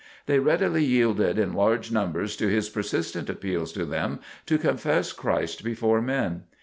They readily yielded in large numbers to his persistent appeals to them to confess Christ before men.